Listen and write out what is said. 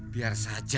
biar saja biar saja